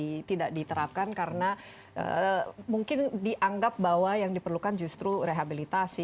ini tidak diterapkan karena mungkin dianggap bahwa yang diperlukan justru rehabilitasi